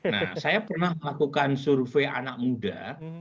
nah saya pernah melakukan survei anak muda